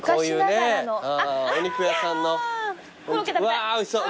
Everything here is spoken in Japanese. うわおいしそう。